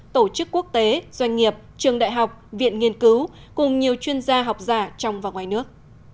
tổ chức quốc tế doanh nghiệp trường đại học viện nghiên cứu cùng nhiều chuyên gia học giả trong và ngoài nước